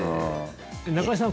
中居さん